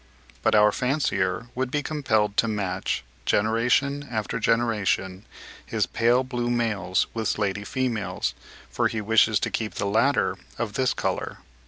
But our fancier would be compelled to match, generation after generation, his pale blue males with slaty females, for he wishes to keep the latter of this colour.